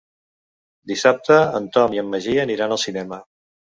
Dissabte en Tom i en Magí aniran al cinema.